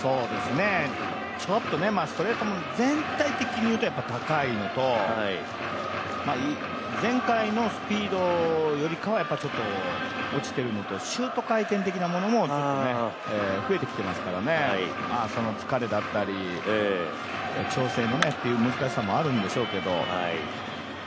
ちょっとね、ストレート全体的にいうと高いのと、前回のスピードよりかはちょっと落ちているのとシュート回転的なものも増えてきてますからねその疲れだったり、調整の面という難しさもあるんでしょうけど。